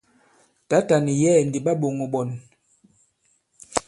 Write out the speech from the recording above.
Tǎtà nì yɛ̌ɛ̀ ndi ɓa ɓōŋō ɓɔn.